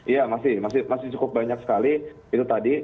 iya masih cukup banyak sekali